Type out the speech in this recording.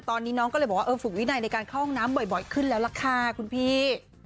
ตอนนี้น้องก็เลยบอกว่าเออฝึกวินัยในการเข้าห้องน้ำบ่อยขึ้นแล้วล่ะค่ะคุณพี่